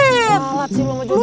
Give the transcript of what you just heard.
salah sih lo mau judul